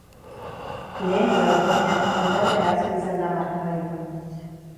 Lehen laurdenean gorabehera asko izan da markagailuan.